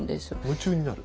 夢中になる？